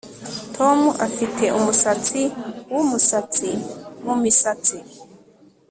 Tom afite umusatsi wumusatsi mumisatsi